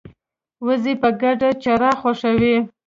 وزې په ګډه چرا خوښوي